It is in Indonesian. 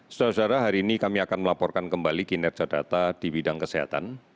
saudara saudara hari ini kami akan melaporkan kembali kinerja data di bidang kesehatan